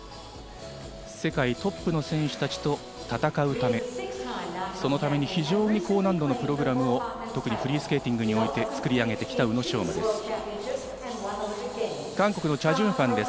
世界トップの選手たちと戦うため、そのために非常に高難度のプログラムを、特にフリースケーティングにおいて作り上げてきた宇野昌磨です。